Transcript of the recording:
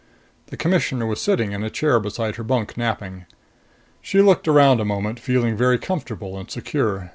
The Commissioner was sitting in a chair beside her bunk, napping. She looked around a moment, feeling very comfortable and secure.